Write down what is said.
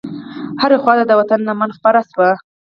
هرې خواته د وطن لمن خپره شوه.